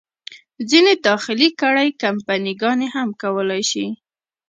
ځینې داخلي کړۍ، کمپني ګانې هم کولای شي.